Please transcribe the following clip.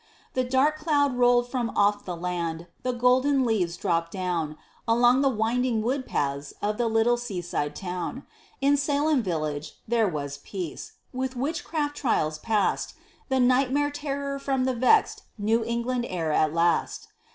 The dark cloud rolled from off the land; the golden leaves dropped down Along the winding wood paths of the little sea side town: In Salem Village there was peace; with witchcraft trials passed The nightmare terror from the vexed New England air at last.